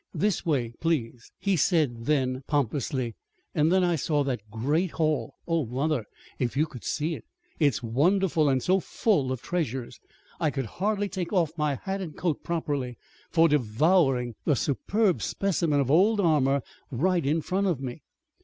This way, please,' he said then, pompously. And then I saw that great hall. Oh, mother, if you could see it! It's wonderful, and so full of treasures! I could hardly take off my hat and coat properly, for devouring a superb specimen of old armor right in front of me.